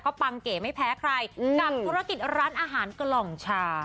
ก็ปังเก๋ไม่แพ้ใครกับธุรกิจร้านอาหารกล่องชา